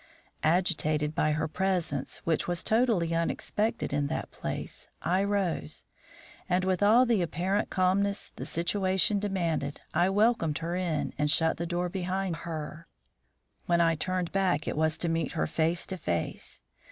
Agitated by her presence, which was totally unexpected in that place, I rose, and, with all the apparent calmness the situation demanded, I welcomed her in and shut the door behind her. When I turned back it was to meet her face to face.